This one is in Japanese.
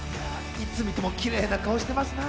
いつ見てもキレイな顔してますな。